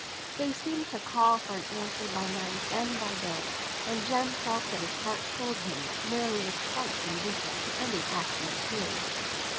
They seemed to call for an answer by night, and by day; and Jem felt that his heart told him Mary was quite indifferent to any action of his.